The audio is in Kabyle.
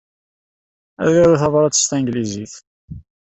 Ad yaru tabṛat s tanglizit.